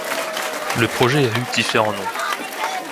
Le projet a eu différents noms.